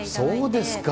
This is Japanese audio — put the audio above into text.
そうですか。